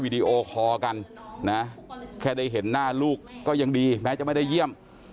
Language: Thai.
ดีโอคอร์กันนะแค่ได้เห็นหน้าลูกก็ยังดีแม้จะไม่ได้เยี่ยม